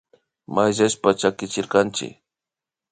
Mayllashpa chakichirkanchik